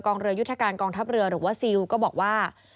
เรือยุทธการกองทัพเรือหรือว่าซิลก็บอกว่า